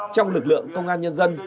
trong lực lượng công an nhân dân